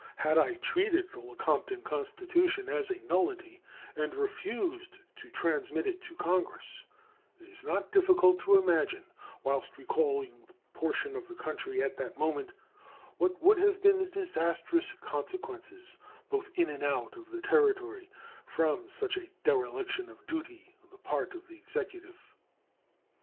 Had I treated the Lecompton constitution as a nullity and refused to transmit it to Congress, it is not difficult to imagine, whilst recalling the position of the country at that moment, what would have been the disastrous consequences, both in and out of the Territory, from such a dereliction of duty on the part of the Executive.